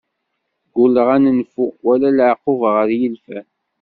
Gulleɣ ar nenfu, wala laɛquba ɣer yilfan.